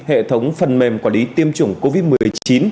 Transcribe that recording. hệ thống phần mềm quản lý tiêm chủng covid một mươi chín